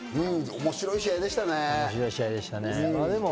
面白い試合でしたね。